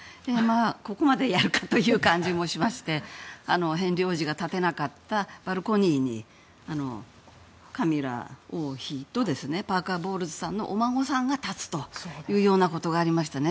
ここまでやるかという感じもしましてヘンリー王子が立てなかったバルコニーにカミラ王妃とパーカー・ボウルズさんのお孫さんが立つということがありましたね。